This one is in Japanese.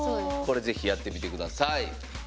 これぜひやってみて下さい。